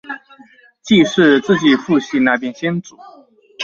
既是自己父系那邊先祖